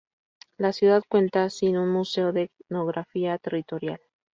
La ciudad cuenta cin un museo de etnografía territorial.